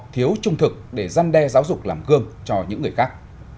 thiếu trung thực để gian đe giáo dục làm gương cho những người khác